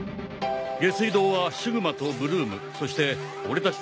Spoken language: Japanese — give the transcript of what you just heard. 下水道はシグマとブルームそして俺たちで捜す。